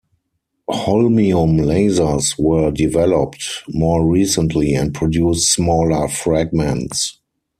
Holmium lasers were developed more recently and produce smaller fragments.